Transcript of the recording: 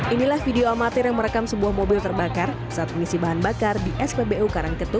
inilah video amatir yang merekam sebuah mobil terbakar saat mengisi bahan bakar di spbu karangketuk